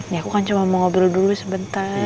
ya aku kan cuma mau ngobrol dulu sebentar